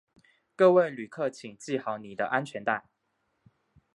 各位旅客请系好你的安全带